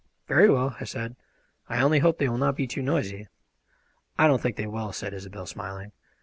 "Very well," I said; "I only hope they will not be too noisy." "I don't think they will," said Isobel, smiling.